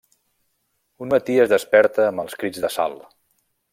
Un matí es desperta amb els crits de Sal.